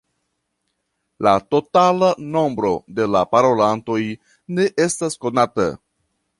La totala nombro de la parolantoj ne estas konata.